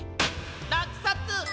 らくさつ！